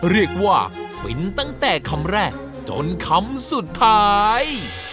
เรียกว่าฟินตั้งแต่คำแรกจนคำสุดท้าย